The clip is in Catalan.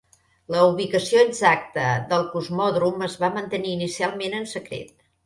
La ubicació exacta del cosmòdrom es va mantenir inicialment en secret.